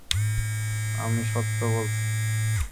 আমি সত্য বলছি।